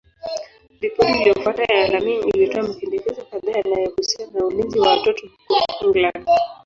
Ripoti iliyofuata ya Laming ilitoa mapendekezo kadhaa yanayohusiana na ulinzi wa watoto huko England.